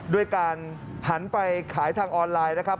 ด้วยการหันไปขายทางออนไลน์นะครับ